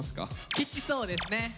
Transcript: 「ケチそう」ですね。